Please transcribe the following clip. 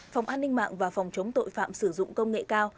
phòng an ninh mạng và phòng chống tội phạm sử dụng công nghệ cao